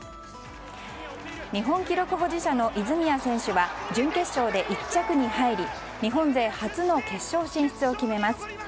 日本記録保持者の泉谷選手は準決勝で１着に入り日本勢初の決勝進出を決めます。